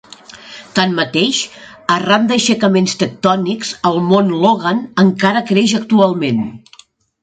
Tanmateix, arran d'aixecaments tectònics, el Mont Logan encara creix actualment.